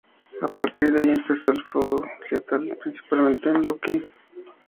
A partir de ahí, empezó un feudo Lethal principalmente con Low Ki.